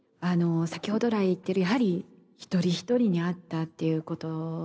先ほど来言ってるやはり一人一人に合ったっていうことなのかなって。